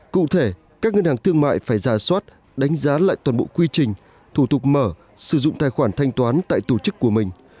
cụ thể các ngân hàng thương mại phải giả soát đánh giá lại toàn bộ quy trình thủ tục mở sử dụng tài khoản thanh toán tại tổ chức của mình